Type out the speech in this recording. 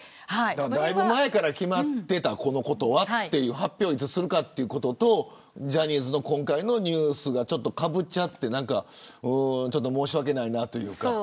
だいぶ前から決まっていて発表はいつするかということと今回のジャニーズのニュースがかぶっちゃって申し訳ないなというか。